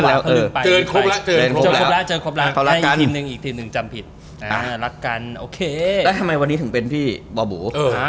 แต่ทำไมทีมผมเป็นพี่บ่าบู